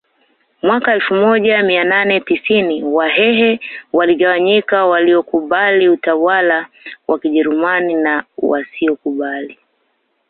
Mwaka elfu moja mia nane tisini wahehe waligawanyika waliokubali utawala wa kijerumani na wasiokubali